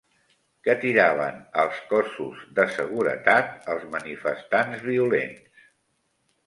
Què tiraven als cossos de seguretat els manifestants violents?